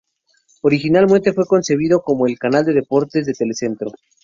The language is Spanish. Originariamente fue concebido como el canal de deportes de Telecentro.